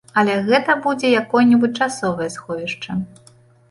Але гэта будзе якое-небудзь часовае сховішча.